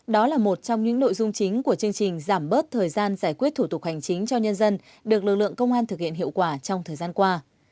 đó là một trong những nội dung chính của chương trình giảm bớt thời gian giải quyết thủ tục hành chính cho nhân dân được lực lượng công an thực hiện hiệu quả trong thời gian qua